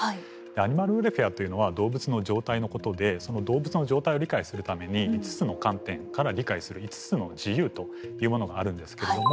アニマルウェルフェアというのは動物の状態のことでその動物の状態を理解するために５つの観点から理解する５つの自由というものがあるんですけれども。